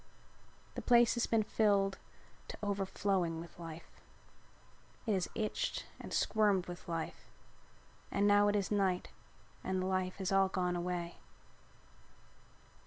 The place has been filled to overflowing with life. It has itched and squirmed with life and now it is night and the life has all gone away.